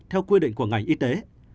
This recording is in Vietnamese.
theo quy định của ngành y tế